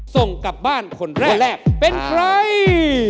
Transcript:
ส่งกลับบ้านคนแรกเป็นใคร